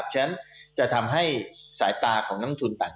ฉะนั้นจะทำให้สายตาของการลงทุนการและปลดหนัง